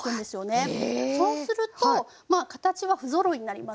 そうするとまあ形は不ぞろいになりますね。